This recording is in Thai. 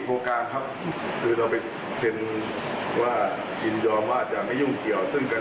เพราะนอกจากส่งผลกระทบโดยรวมกับตัวเองแล้ว